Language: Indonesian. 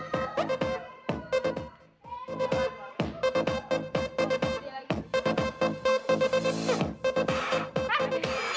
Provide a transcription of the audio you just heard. lo mau siapa sin